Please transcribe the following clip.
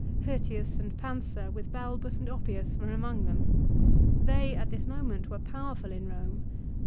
Hirtius and Pansa with Balbus and Oppius were among them. They, at this moment, were powerful in Eome.